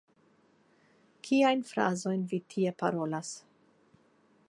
Kiajn frazojn vi tie parolas?